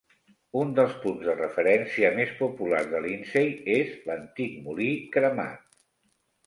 Un dels punts de referència més populars de Lindsay és l'antic molí cremat.